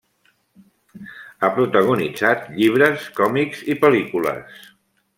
Ha protagonitzat llibres, còmics i pel·lícules.